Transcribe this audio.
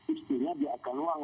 istinya di kaluang